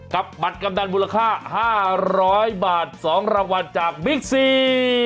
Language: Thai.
กับบัตรกำดันมูลค่า๕๐๐บาท๒รางวัลจากบิ๊กซี